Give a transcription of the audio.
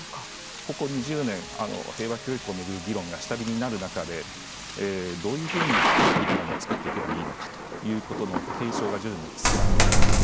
ここ２０年平和教育を巡る議論が下火になる中でどういうふうにカリキュラムを作っていけばいいのかということの検証が徐々に少なくなっていく。